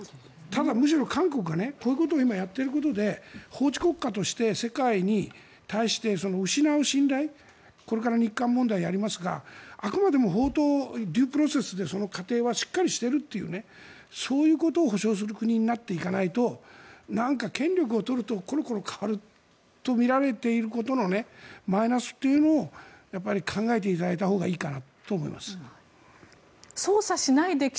ただ、むしろ韓国がこういうことを今やっているせいで法治国家として世界に対して失う信頼これから日韓問題やりますがあくまでもデュープロセスでその過程はしっかりしているというそういうことを保証する国になっていかないとなんか権力を取るとコロコロ変わると見られていることのマイナスというのをやっぱり考えていただいたほうがいいかなと思います。